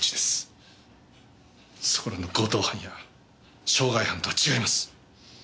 そこらの強盗犯や傷害犯とは違います。